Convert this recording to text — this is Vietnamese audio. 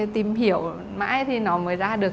tìm hiểu mãi thì nó mới ra được